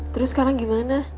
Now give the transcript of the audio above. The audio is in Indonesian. terus sekarang gimana